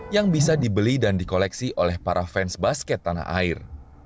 yang bisa dibeli dan dikoleksi oleh para fans basket tanah air